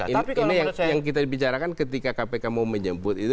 ini yang kita bicarakan ketika kpk mau menjemput itu